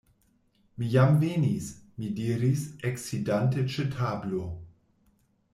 Mi jam venis! mi diris, eksidante ĉe tablo.